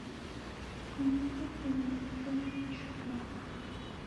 Nineke kilole niw'one w'ushu ghwapo.